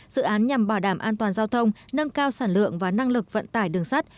dự án nhằm bảo đảm an toàn giao thông nâng cao sản lượng và năng lực vận tải đường sắt